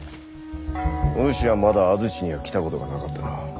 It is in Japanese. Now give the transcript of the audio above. お主はまだ安土には来たことがなかったな。